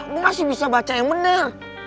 gue masih bisa baca yang bener